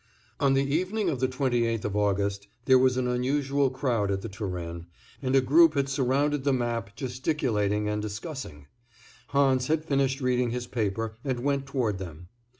On the evening of the 28th of August there was an unusual crowd at The Turenne, and a group had surrounded the map gesticulating and discussing. Hans had finished reading his paper, and went toward them.